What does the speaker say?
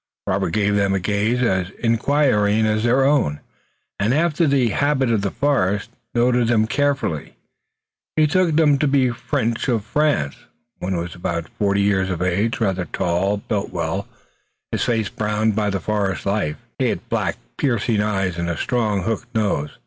Robert gave them a gaze as inquiring as their own, and after the habit of the forest, noted them carefully. He took them to be French of France. One was about forty years of age, rather tall, built well, his face browned by forest life. He had black, piercing eyes and a strong hooked nose.